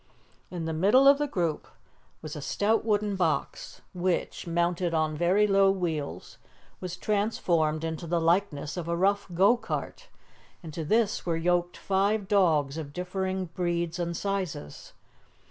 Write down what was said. In the middle of the group was a stout wooden box, which, mounted on very low wheels, was transformed into the likeness of a rough go cart, and to this were yoked five dogs of differing breeds and sizes.